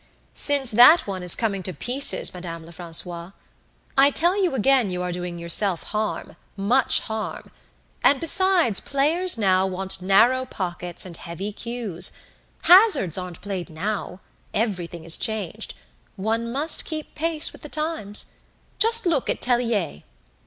"Since that one is coming to pieces, Madame Lefrancois. I tell you again you are doing yourself harm, much harm! And besides, players now want narrow pockets and heavy cues. Hazards aren't played now; everything is changed! One must keep pace with the times! Just look at Tellier!"